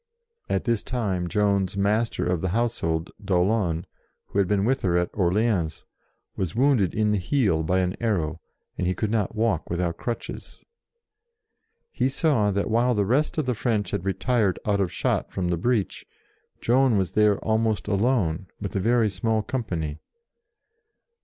At this time Joan's Master of the House hold, d'Aulon, who had been with her at Orleans, was wounded in the heel by an arrow, and he could not walk without crutches. He saw that while the rest of the French had retired out of shot from the breach, Joan was there almost alone, with a very small company.